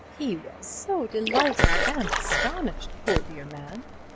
He was so delighted and astonished, poor dear man."